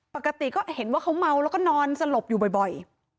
ปกติก็เห็นว่าเขาเมาแล้วก็นอนสลบอยู่บ่อย